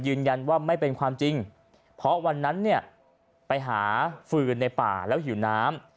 ยืนยันว่าไม่เป็นความจริงเพราะวันนั้นเนี่ยไปหาฟืนในป่าแล้วหิวน้ำ